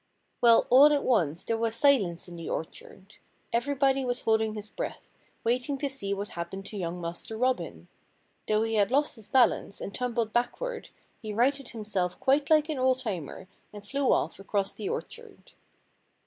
Well, all at once there was silence in the orchard. Everybody was holding his breath, waiting to see what happened to young Master Robin. Though he had lost his balance and tumbled backward he righted himself quite like an old timer and flew off across the orchard.